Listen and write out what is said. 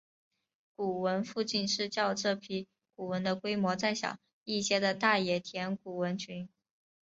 古坟附近是较这批古坟的规模再小一些的大野田古坟群。